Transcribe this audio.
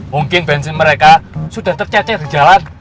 mungkin bensin mereka sudah tercecer di jalan